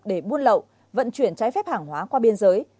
để buôn lậu vận chuyển trái phép hàng hóa qua biên giới